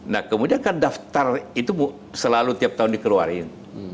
nah kemudian kan daftar itu selalu tiap tahun dikeluarin